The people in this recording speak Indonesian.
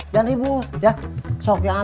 jangan ribut ya sok ya atu mainan